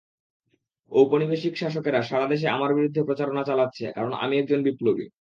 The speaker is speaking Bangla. ঔপনিবেশিক শাসকেরা সারা দেশে আমার বিরুদ্ধে প্রচারণা চালাচ্ছে, কারণ আমি একজন বিপ্লবী।